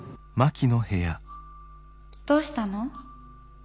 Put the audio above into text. どうしたの？